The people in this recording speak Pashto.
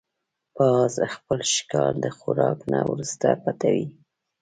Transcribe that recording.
باز خپل ښکار د خوراک نه وروسته پټوي